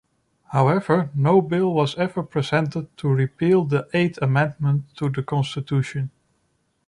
However, no bill was ever presented to repeal the Eighth Amendment to the Constitution.